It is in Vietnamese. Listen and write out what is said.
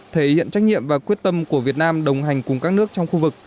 thể hiện trách nhiệm và quyết tâm của việt nam đồng hành cùng các nước trong khu vực